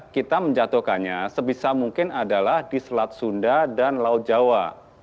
kita menjatuhkannya sebisa mungkin adalah di selat sunda dan laut jawa